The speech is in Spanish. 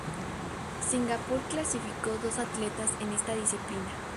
Singapur clasificó dos atletas en esta disciplina.